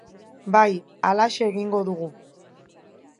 Bai, halaxe egingo dugu.